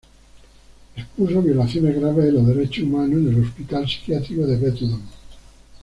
Expuso violaciones graves de los derechos humanos en el hospital psiquiátrico de Bedlam.